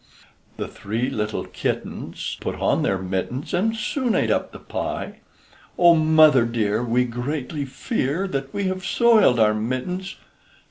The three little kittens put on their mittens, And soon ate up the pie; O mother dear, We greatly fear That we have soiled our mittens.